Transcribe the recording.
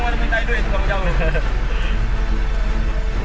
banyak jalan kau yang mau minta duit